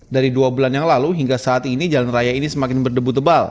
dari dua bulan yang lalu hingga saat ini jalan raya ini semakin berdebu tebal